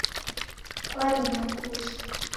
Kwalemwa ni kucha